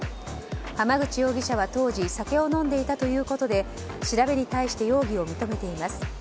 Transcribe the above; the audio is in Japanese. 浜口容疑者は当時酒を飲んでいたということで調べに対して容疑を認めています。